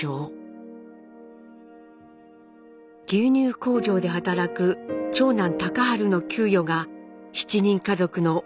牛乳工場で働く長男隆治の給与が７人家族の主な収入源でした。